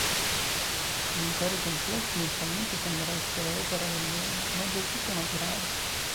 L'intero complesso inizialmente sembra essere opera dell'uomo, ma è del tutto naturale.